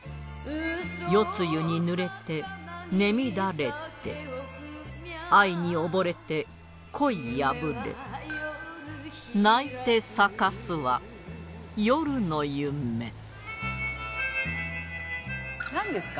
夜露にぬれて寝乱れて愛に溺れて恋破れ泣いて咲かすは夜の夢なんですか？